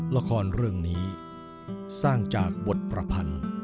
ละครเรื่องนี้สร้างจากบทประพันธ์